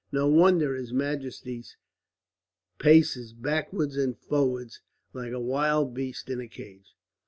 No wonder his majesty paces backwards and forwards like a wild beast in a cage."